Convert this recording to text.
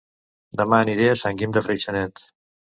Dema aniré a Sant Guim de Freixenet